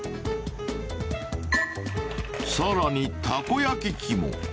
更にたこ焼き器も。